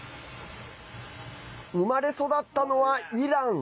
生まれ育ったのはイラン。